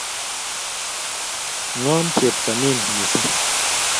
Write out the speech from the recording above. Ngom chepto nin mising